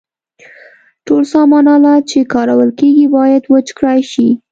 ټول سامان آلات چې کارول کیږي باید وچ کړای شي.